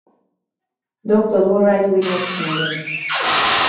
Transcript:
Doctor don write we medicine dem.